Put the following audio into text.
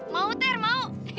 mau ter mau